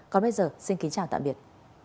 còn bây giờ xin kính chào tạm biệt